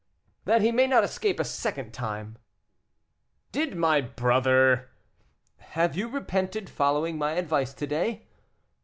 "That he may not escape a second time." "Did my brother " "Have you repented following my advice to day?"